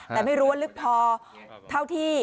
แต่ไม่รู้ว่าลึกพอเท่าที่